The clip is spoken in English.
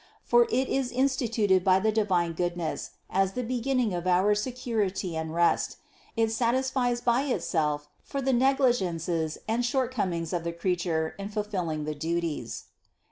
For it is insti tuted by the divine Goodness as the beginning of our security and rest; it satisfies by itself for the negligences and shortcomings of the creature in fulfilling the duties.